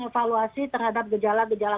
evaluasi terhadap gejala gejala